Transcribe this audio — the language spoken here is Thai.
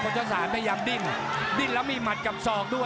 เจ้าสารพยายามดิ้นดิ้นแล้วมีหมัดกับศอกด้วย